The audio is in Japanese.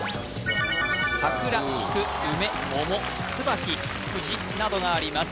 桜菊梅桃椿藤などがあります